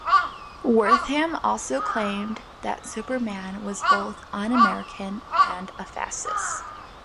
Wertham also claimed that Superman was both un-American and a fascist.